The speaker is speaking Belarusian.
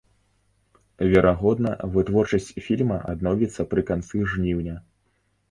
Верагодна, вытворчасць фільма адновіцца пры канцы жніўня.